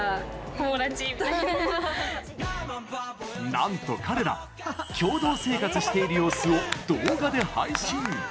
なんと彼ら共同生活している様子を動画で配信。